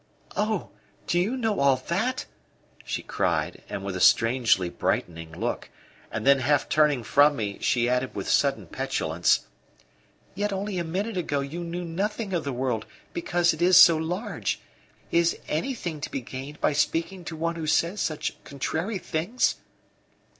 "Oh, do you know all that?" she cried, with a strangely brightening look; and then half turning from me, she added, with sudden petulance: "Yet only a minute ago you knew nothing of the world because it is so large! Is anything to be gained by speaking to one who says such contrary things?"